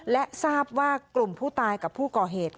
และทราบว่ากลุ่มผู้ตายกับผู้ก่อเหตุ